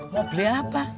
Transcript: mau beli apa